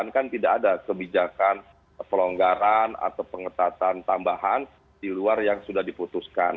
kan tidak ada kebijakan pelonggaran atau pengetatan tambahan di luar yang sudah diputuskan